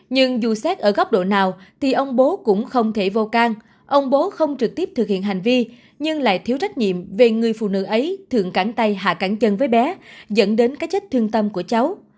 nhưng dù xét ở góc độ nào thì ông bố cũng không thể vô can ông bố không trực tiếp thực hiện hành vi nhưng lại thiếu trách nhiệm về người phụ nữ ấy thường cắn tay hạ cánh chân với bé dẫn đến cái chết thương tâm của cháu